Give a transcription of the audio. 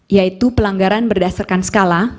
yaitu pelanggaran berdasarkan skala